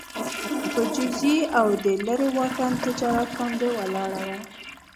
په جزیې او د لېرې واټن تجارت باندې ولاړه وه